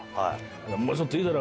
「もうちょっといいだろ！